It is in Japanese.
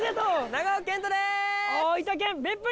長尾謙杜です！